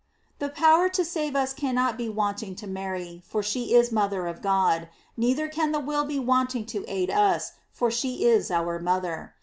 The power to save us cannot be wanting to Mary, for she is mother of God; neither can the will be wanting to aid us, for she is our mother.